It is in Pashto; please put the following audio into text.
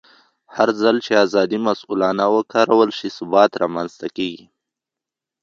هرځل چې ازادي مسؤلانه وکارول شي، ثبات رامنځته کېږي.